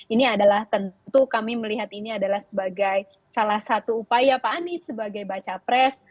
ini adalah tentu kami melihat ini adalah sebagai salah satu upaya pak anies sebagai baca pres